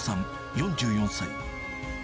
４４歳。